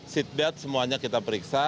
seatbelt semuanya kita periksa